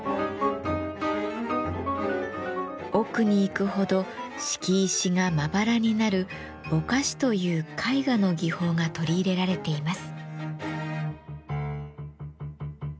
奥に行くほど敷石がまばらになる「ぼかし」という絵画の技法が取り入れられています。